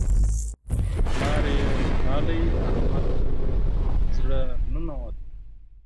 چې پلار يې راغی؛ په احمد زړه ننوت.